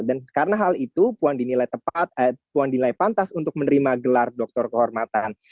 dan karena hal itu puan dinilai tepat puan dinilai pantas untuk menerima gelar dokter kehormatan